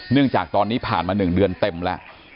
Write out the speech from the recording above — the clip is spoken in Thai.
จากตอนนี้ผ่านมา๑เดือนเต็มแล้ว